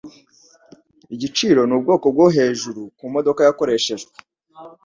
Igiciro ni ubwoko bwo hejuru kumodoka yakoreshejwe.